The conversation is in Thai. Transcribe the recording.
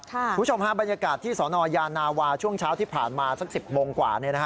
คุณผู้ชมฮะบรรยากาศที่สนยานาวาช่วงเช้าที่ผ่านมาสัก๑๐โมงกว่า